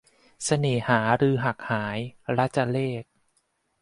เสน่หาฤๅหักหาย - รจเรข